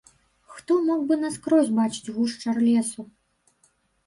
Хто мог бы наскрозь бачыць гушчар лесу?